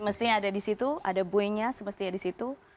semestinya ada di situ ada buoynya semestinya disitu